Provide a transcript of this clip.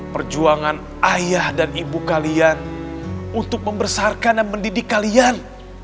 perjuangan ayah dan ibu kalian untuk membesarkan dan mendidik kalian